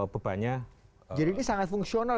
bebannya jadi ini sangat fungsional